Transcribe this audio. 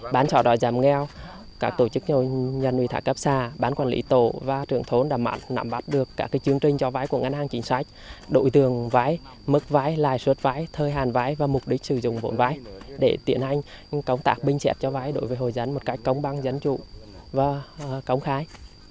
bán trò đòi giảm nghèo các tổ chức nhân viên thả cấp xa bán quản lý tổ và trưởng thốn đã nắm bắt được các chương trình cho vay của ngân hàng chính sách đội tường vay mức vay lài suất vay thời hàn vay và mục đích sử dụng vốn vay để tiện hành công tác binh chẹp cho vay đối với hội dân một cách công băng dân chủ và công khai